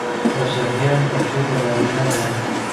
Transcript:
خو ذهنيت پکې د نارينه دى